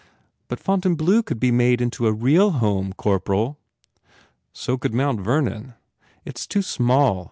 "But Fontainebleau could be made into a real home, Corpril!" u So could Mount Vernon." "It s too small.